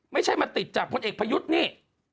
ไม่ใช่มาติดจากพลเอกประยุทธ์นี่